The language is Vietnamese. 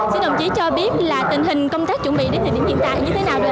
xin đồng chí cho biết là tình hình công tác chuẩn bị đến hình ảnh hiện tại như thế nào được ạ